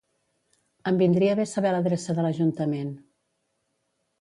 Em vindria bé saber l'adreça de l'Ajuntament.